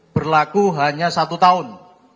berlaku hanya satu tahun